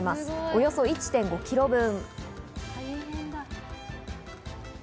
およそ１．５キロ分。